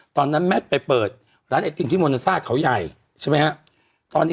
ตอนนั้นแมทไปเปิดล้านไอติมที่โมแนซ่าเกาห์ใหญ่ใช่ไหมฮะ